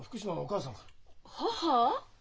母？